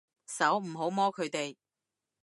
手，唔好摸佢哋